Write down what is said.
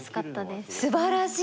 すばらしい！